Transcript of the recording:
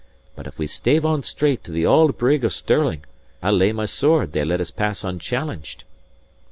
But if we stave on straight to the auld Brig of Stirling, I'll lay my sword they let us pass unchallenged."